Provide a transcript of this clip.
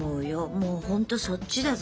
もうホントそっちだぞ。